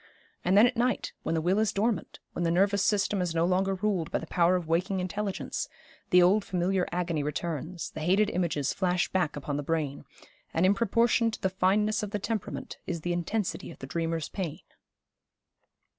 And then at night, when the will is dormant, when the nervous system is no longer ruled by the power of waking intelligence, the old familiar agony returns, the hated images flash back upon the brain, and in proportion to the fineness of the temperament is the intensity of the dreamer's pain.'